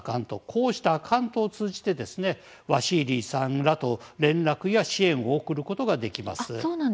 こうしたアカウントを通じてワシーリーさんらと連絡や支援を送ることができます。